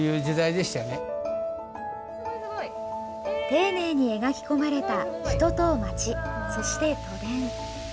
丁寧に描き込まれた人と町、そして都電。